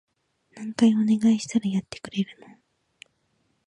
何回お願いしたらやってくれるの？